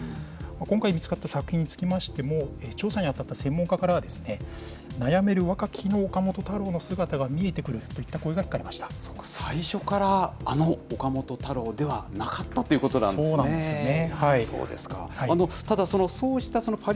今回見つかった作品につきましても、調査に当たった専門家からは、悩める若き日の岡本太郎の姿が見えてくるといった声が聞かれまし最初からあの岡本太郎ではなそうなんですよね。